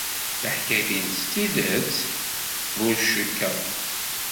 Taḥkayt-nnes d tidet? Ur cikkeɣ.